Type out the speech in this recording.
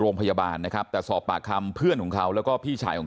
โรงพยาบาลนะครับแต่สอบปากคำเพื่อนของเขาแล้วก็พี่ชายของ